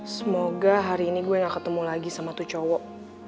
semoga hari ini gue gak ketemu lagi sama tuh cowok